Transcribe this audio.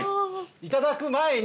いただく前に。